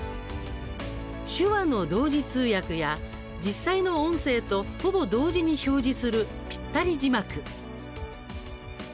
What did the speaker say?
手話の同時通訳や実際の音声とほぼ同時に表示する「ぴったり字幕」。